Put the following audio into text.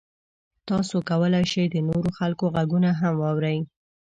تاسو کولی شئ د نورو خلکو غږونه هم واورئ.